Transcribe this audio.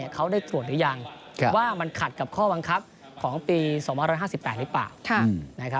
เขาได้ตรวจหรือยังว่ามันขัดกับข้อบังคับของปี๒๕๘หรือเปล่า